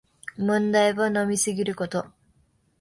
問題は飲みすぎること